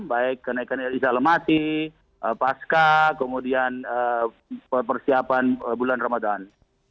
baik kenaikan islamati pasca kemudian persiapan bulan ramadan